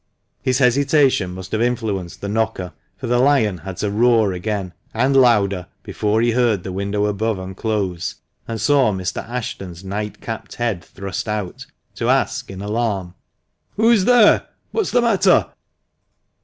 His hesitation must have influenced the knocker, for the lion had to roar again, and louder, before he heard the window above unclose, and saw Mr. Ashton's night capped head thrust out, to ask, in alarm, "Who's there? What's the matter?"